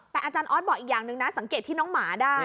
แต่อาจารย์ออสบอกอีกอย่างหนึ่งนะสังเกตที่น้องหมาได้